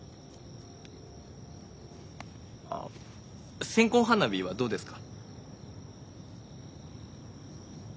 あっ線香花火はどうですか。